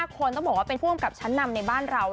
คนต้องบอกว่าเป็นผู้กำกับชั้นนำในบ้านเรา